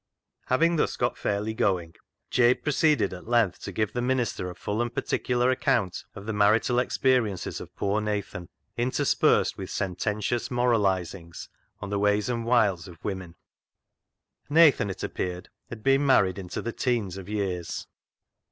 " Having thus got fairly going, Jabe pro ceeded at length to give the minister a full and particular account of the marital ex periences of poor Nathan, interspersed with sententious moralisings on the ways and wiles of women. Nathan, it appeared, had been married into the teens of years.